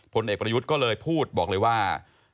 ผลเอกประยุทธ์ก็เลยพูดบอกเลยว่า